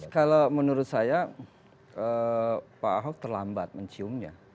kalau menurut saya pak ahok terlambat menciumnya